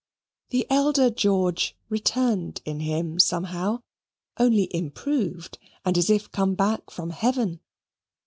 The elder George returned in him somehow, only improved, and as if come back from heaven.